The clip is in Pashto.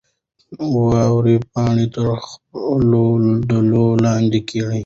واورې پاڼه تر خپلو دلیو لاندې کړه.